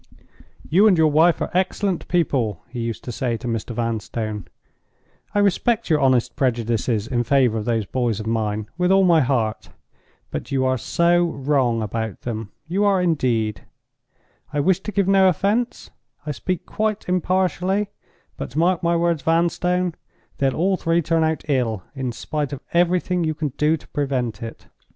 "You and your wife are excellent people," he used to say to Mr. Vanstone. "I respect your honest prejudices in favor of those boys of mine with all my heart. But you are so wrong about them—you are indeed! I wish to give no offense; I speak quite impartially—but mark my words, Vanstone: they'll all three turn out ill, in spite of everything you can do to prevent it."